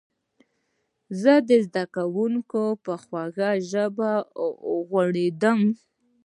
زه د ښوونکي په خوږه ژبه وغولېدم.